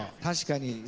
確かに。